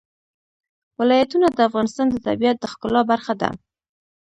ولایتونه د افغانستان د طبیعت د ښکلا برخه ده.